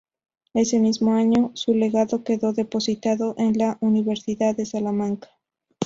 Ese mismo año su legado quedó depositado en la Universidad de Salamanca.